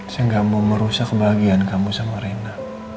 saya nggak mau merusak kebahagiaan kamu sama reina